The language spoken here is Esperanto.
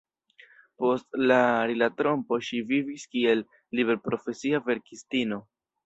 Post la rilatrompo ŝi vivis kiel liberprofesia verkistino.